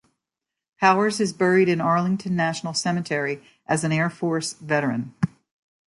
Powers is buried in Arlington National Cemetery as an Air Force veteran.